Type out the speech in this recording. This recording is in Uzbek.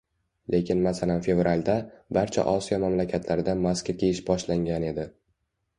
Lekin masalan Fevralda, barcha Osiyo mamlakatlarida maska kiyish boshlangan edi.